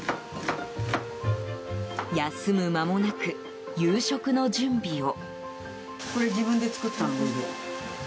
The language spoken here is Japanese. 休む間もなく、夕食の準備を。